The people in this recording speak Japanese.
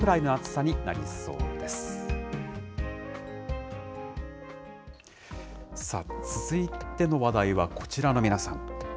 さあ、続いての話題はこちらの皆さん。